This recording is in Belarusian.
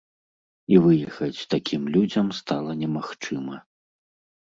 І выехаць такім людзям стала немагчыма.